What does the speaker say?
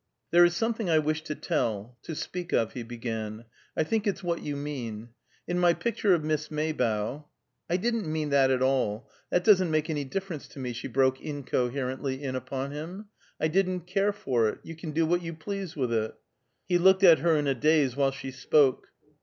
"There is something I wish to tell to speak of," he began. "I think it's what you mean. In my picture of Miss Maybough " "I didn't mean that at all. That doesn't make any difference to me," she broke incoherently in upon him. "I didn't care for it. You can do what you please with it." He looked at her in a daze while she spoke.